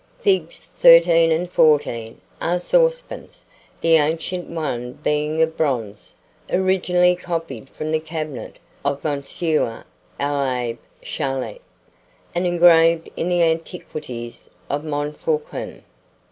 Figs. 13 and 14 are saucepans, the ancient one being of bronze, originally copied from the cabinet of M. l'Abbé Charlet, and engraved in the Antiquities of Montfaucon.